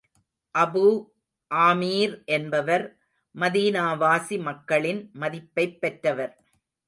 Abu Amir என்பவர் மதீனாவாசி மக்களின் மதிப்பைப் பெற்றவர்.